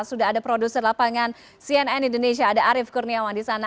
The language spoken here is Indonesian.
sudah ada produser lapangan cnn indonesia ada arief kurniawan di sana